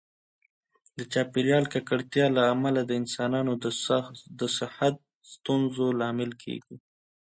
د چاپیریال د ککړتیا له امله د انسانانو د صحت د ستونزو لامل کېږي.